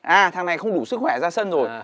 à thằng này không đủ sức khỏe ra sân rồi